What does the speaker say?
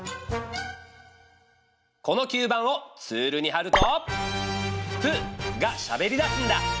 この吸盤をツールにはると「プ」がしゃべりだすんだ。